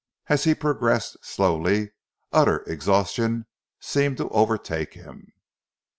As he progressed, slowly, utter exhaustion seemed to overtake him.